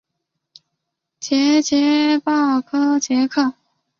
瑙吉鲍科瑙克。